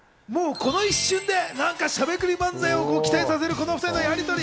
この一瞬でしゃべくり漫才を期待させる、この２人のやりとり。